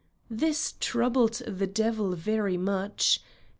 This troubled the devil very much.